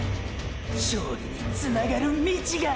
勝利につながる道が！！